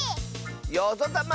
よぞたま！